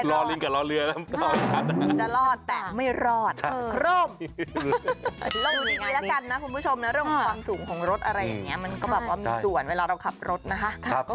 ลองดีแล้วกันนะคุณผู้ชมเรื่องความสูงของรถอะไรอย่างนี้มันก็มีส่วนเวลาเราขับรถนะคะ